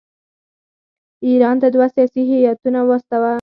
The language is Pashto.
ایران ته دوه سیاسي هیاتونه واستوي.